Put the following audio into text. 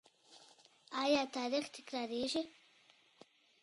آیا تاریخ تکراریږي؟